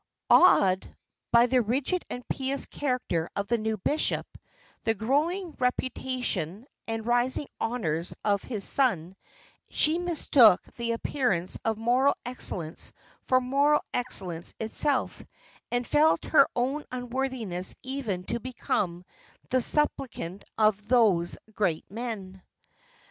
Awed by the rigid and pious character of the new bishop, the growing reputation, and rising honours of his son, she mistook the appearance of moral excellence for moral excellence itself, and felt her own unworthiness even to become the supplicant of those great men.